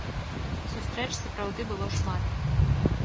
Сустрэч сапраўды было шмат.